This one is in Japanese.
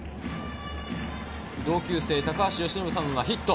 同級生、高橋由伸さんはヒット。